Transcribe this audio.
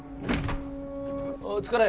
お疲れ。